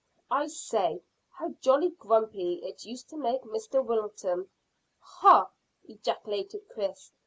"I say, how jolly grumpy it used to make Mr Wilton." "Hah!" ejaculated Chris.